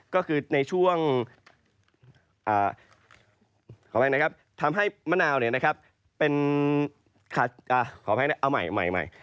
ก็คือในช่วงทำให้มะนาวเป็นขอให้เอาใหม่